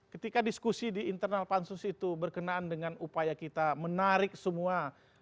ketika diskusi di internal pansus itu berkenaan dengan upaya kita menarik semua